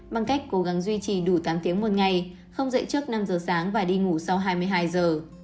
bằng cách cố gắng duy trì đủ tám tiếng một ngày không dạy trước năm giờ sáng và đi ngủ sau hai mươi hai giờ